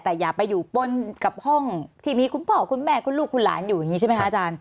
แต่อย่าไปอยู่ป้นกับห้องที่มีคุณพ่อคุณแม่คุณลูกคุณหลานอยู่อย่างนี้ใช่ไหมคะอาจารย์